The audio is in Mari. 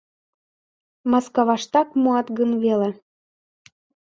— Маскаваштак муат гын веле.